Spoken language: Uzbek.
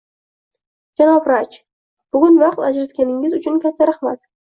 Janob Raj, bugun vaqt ajratganingiz uchun katta rahmat.